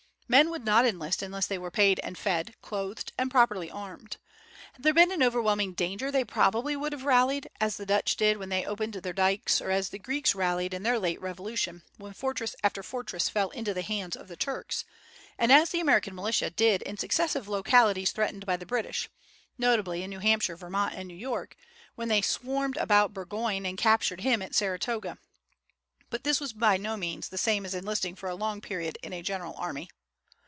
Men would not enlist unless they were paid and fed, clothed and properly armed. Had there been an overwhelming danger they probably would have rallied, as the Dutch did when they opened their dikes, or as the Greeks rallied in their late Revolution, when fortress after fortress fell into the hands of the Turks, and as the American militia did in successive localities threatened by the British, notably in New Hampshire, Vermont, and New York, when they swarmed about Burgoyne and captured him at Saratoga. But this was by no means the same as enlisting for a long period in a general army.